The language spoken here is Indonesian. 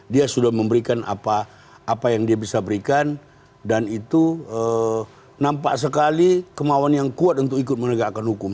dia sudah memberikan apa yang dia bisa berikan dan itu nampak sekali kemauan yang kuat untuk ikut menegakkan hukum